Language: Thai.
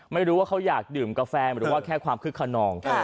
ไม่รู้ว่าเขาอยากดื่มกาแฟหรือว่าแค่ความคึกขนอง